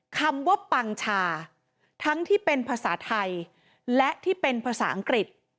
คำว่าปังชาทั้งที่เป็นภาษาไทยและที่เป็นภาษาอังกฤษ